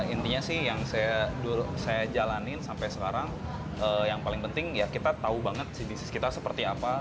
intinya sih yang saya jalanin sampai sekarang yang paling penting ya kita tahu banget sih bisnis kita seperti apa